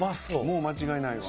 「もう間違いないわ」